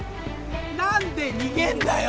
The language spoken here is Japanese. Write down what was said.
何で逃げんだよ！？